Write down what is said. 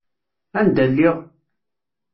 Anda lliɣ?